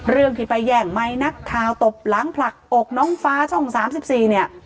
เรื่องที่ไปแย่งไมค์นักข่าวตบหลังผลักอกน้องฟ้าช่อง๓๔เนี่ย